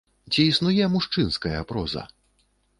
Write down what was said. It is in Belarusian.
Ці існуе мужчынская проза?